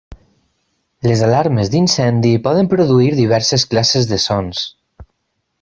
Les alarmes d'incendi poden produir diverses classes de sons.